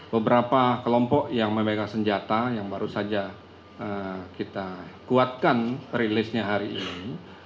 beberapa kelompok yang memegang senjata yang baru saja kita kuatkan rilisnya hari ini